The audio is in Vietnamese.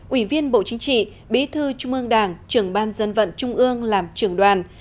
ủy viên bộ chính trị bí thư trung ương đảng trường ban dân vận trung ương làm trường đoàn